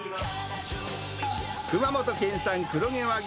熊本県産黒毛和牛